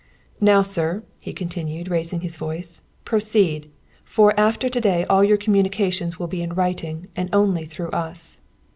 "Now, sir," he continued, raising his voice, "proceed! For, after to day all your communications will be in writing, and only through us!"